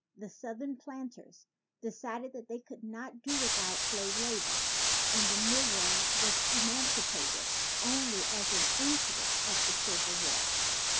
The southern planters decided that they could not do without slave labor; and the negro was emancipated only as an incident of the Civil War.